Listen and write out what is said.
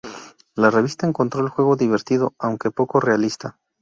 La revista encontró el juego divertido, aunque poco realista.